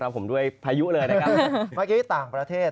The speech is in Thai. เมื่อกี้ต่างประเทศ